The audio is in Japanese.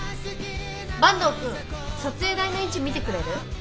坂東くん撮影台の位置見てくれる？